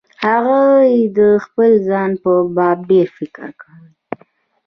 هغوی د خپل ځان په باب ډېر فکر کوي.